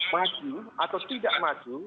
maju atau tidak maju